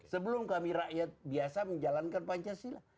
sebelum kami rakyat biasa menjalankan pancasila